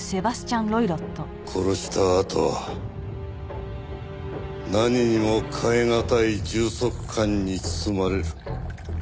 殺したあとは何にも代えがたい充足感に包まれる。